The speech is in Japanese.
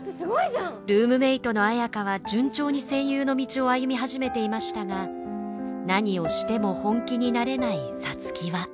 ルームメートの綾花は順調に声優の道を歩み始めていましたが何をしても本気になれない皐月は。